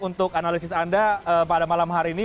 untuk analisis anda pada malam hari ini